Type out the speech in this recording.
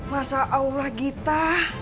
masa allah gita